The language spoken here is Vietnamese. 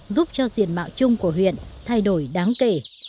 giúp cho diện mạo chung của huyện thay đổi đáng kể